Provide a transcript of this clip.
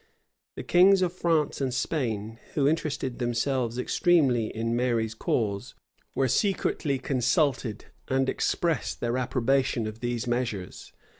[*] The kings of France and Spain, who interested themselves extremely in Mary's cause, were secretly consulted, and expressed their approbation of these measures.